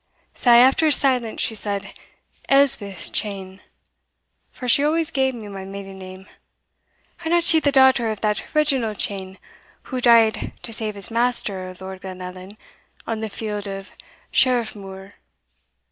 Sae, after a silence, she said, Elspeth Cheyne (for she always gave me my maiden name), are not ye the daughter of that Reginald Cheyne who died to save his master, Lord Glenallan, on the field of Sheriffmuir?